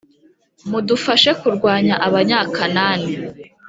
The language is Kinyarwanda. mudufashe kurwanya Abanyakanani,